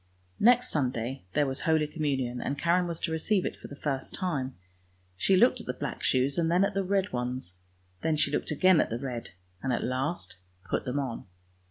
Next Sunday there was Holy Communion, and Karen was to receive it for the first time. She looked at the black shoes and then at the red ones — then she looked again at the red, and at last put them on.